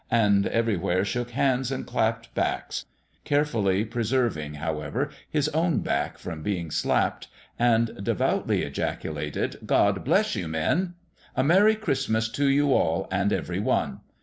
1 and everywhere shook hands and clapped backs carefully preserving, however, his own back from being slapped and devoutly ejaculated " God bless you, men ! A Merry Christmas to you all and every one